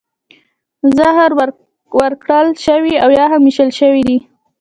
زهر ورکړل شوي او یا هم ویشتل شوي دي